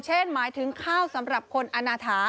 หมายถึงข้าวสำหรับคนอนาถา